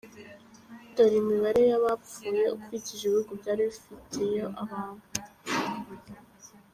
Dore imibare y’abapfuye ukurikije ibihugu byari bifiteyo abantu:.